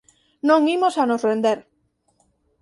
Non imos a nos render".